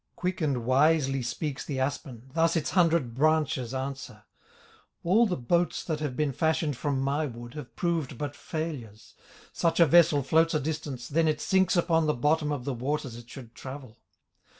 Quick and wisely speaks the aspen, Thus its hundred branches answer: "All the boats that have been fashioned From my wood have proved but failures; Such a vessel floats a distance, Then it sinks upon the bottom Of the waters it should travel.